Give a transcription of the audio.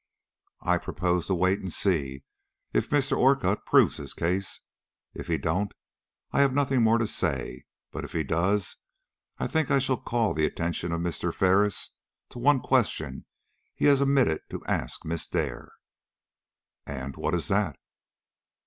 "I propose to wait and see if Mr. Orcutt proves his case. If he don't, I have nothing more to say; but if he does, I think I shall call the attention of Mr. Ferris to one question he has omitted to ask Miss Dare." "And what is that?"